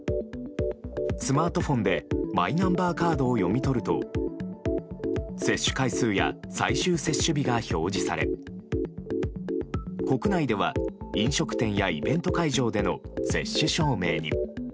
スマートフォンでマイナンバーカードを読み取ると接種回数や最終接種日が表示され国内では飲食店やイベント会場での接種証明に。